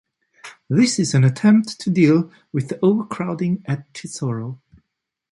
This is an attempt to deal with the overcrowding at Tesoro.